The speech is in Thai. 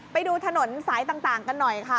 ไปดูถนนสายต่างกันหน่อยค่ะ